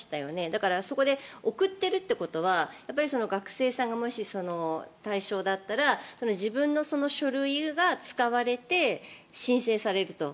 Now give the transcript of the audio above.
だから、あそこで送っているということは学生さんがもし対象だったら自分の書類が使われて申請されると。